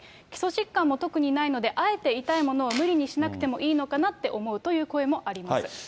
基礎疾患も特にないのであえて痛いものを無理にしないものをしなくてもいいのかなって思うという声もあります。